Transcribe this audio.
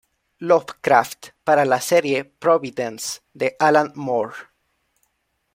Lovecraft para la serie "Providence", de Alan Moore.